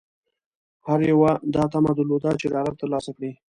هر یوه دا طمعه درلوده چې ډالر ترلاسه کړي.